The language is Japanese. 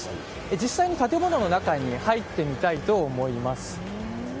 実際に建物の中に入ってみたいと思います。